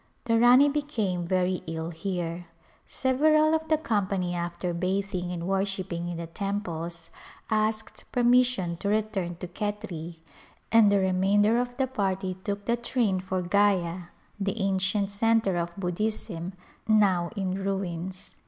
The Rani became very ill here. Several of the com pany after bathing and worshipping in the temples asked permission to return to Khetri, and the remainder of the party took the train for Gya, the ancient centre of Buddhism, now in ruins.